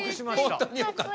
本当によかった！